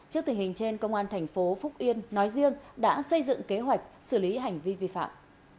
trước tình hình trên công an thành phố phúc yên nói riêng đã xây dựng kế hoạch xử lý hành vi vi phạm